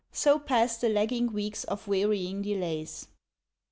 So pass the lagging weeks of wearying delays.